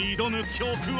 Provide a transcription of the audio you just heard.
曲は、